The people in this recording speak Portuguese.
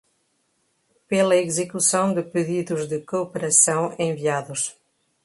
pela execução de pedidos de cooperação enviados